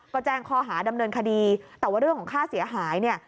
ก็แจ้งข้อหาดำเนินคดีแต่ว่าเรื่องของค่าเสียหายเนี่ย